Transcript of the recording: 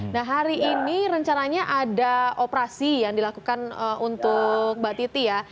nah hari ini rencananya ada operasi yang dilakukan untuk mbak titi ya